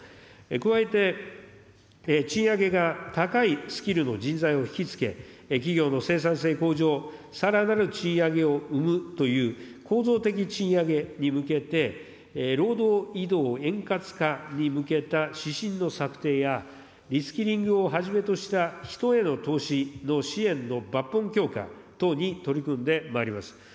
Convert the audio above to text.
加えて、賃上げが高いスキルの人材を引き付け、企業の生産性向上、さらなる賃上げを生むという構造的賃上げに向けて、労働移動円滑化に向けた指針の策定や、リスキリングをはじめとした人への投資の支援の抜本強化等に取り組んでまいります。